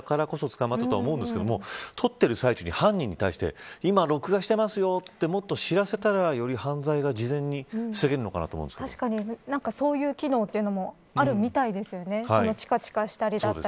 これ、カメラ撮っていたからこそ捕まったと思うんですけれど撮ってる最中に犯人に対して今、録画してますよともっと知らせたらより犯罪が事前に確かにそういう機能もあるみたいですよね。